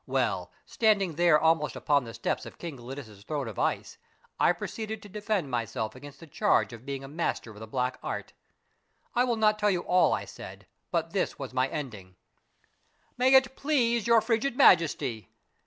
Well, standing there almost upon the steps of King Gelidus' throne of ice, I proceeded to defend myself against the charge of being a master of the black art. I will not tell you all I said, but this was my ending :" May it please your frigid Majesty